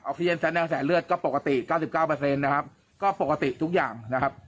ซีเย็นแสนแลเลือดก็ปกติ๙๙นะครับก็ปกติทุกอย่างนะครับ